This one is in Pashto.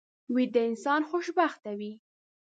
ویده انسان خوشبخته وي